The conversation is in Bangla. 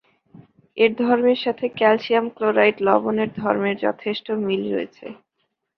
এর ধর্মের সাথে ক্যালসিয়াম ক্লোরাইড লবণের ধর্মের যথেষ্ট মিল রয়েছে।